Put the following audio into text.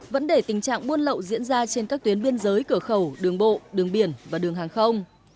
vấn đề tình trạng buôn lậu diễn ra trên các tuyến biên giới cửa khẩu đường bộ đường biển và đường hàng không